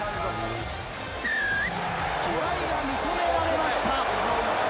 トライが認められました。